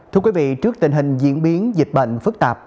thưa quý vị trước tình hình diễn biến dịch bệnh phức tạp